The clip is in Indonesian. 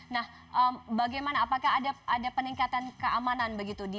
nah bagaimana apakah ada peningkatan keamanan begitu